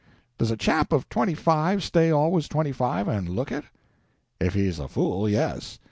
"Does a chap of twenty five stay always twenty five, and look it?" "If he is a fool, yes.